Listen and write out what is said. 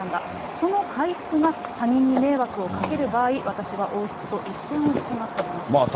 その回復が他人に迷惑をかける場合、私は王室と一線を引きますと話しました。